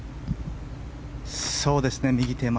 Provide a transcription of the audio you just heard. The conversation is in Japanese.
そうですね、右手前。